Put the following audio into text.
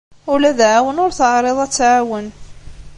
Ula d aɛawen ur teɛriḍ ad tɛawen.